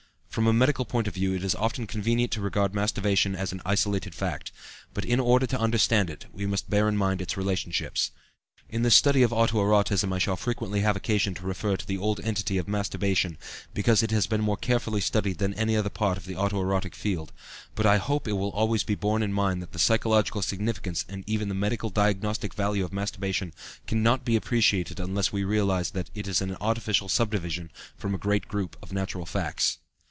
From a medical point of view it is often convenient to regard masturbation as an isolated fact; but in order to understand it we must bear in mind its relationships. In this study of auto erotism I shall frequently have occasion to refer to the old entity of "masturbation," because it has been more carefully studied than any other part of the auto erotic field; but I hope it will always be borne in mind that the psychological significance and even the medical diagnostic value of masturbation cannot be appreciated unless we realize that it is an artificial subdivision of a great group of natural facts.